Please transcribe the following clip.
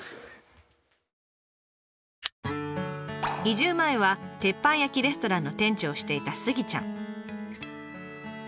移住前は鉄板焼きレストランの店長をしていたスギちゃん。